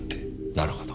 なるほど。